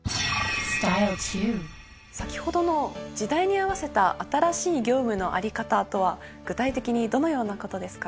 先ほどの時代に合わせた新しい業務の在り方とは具体的にどのようなことですか？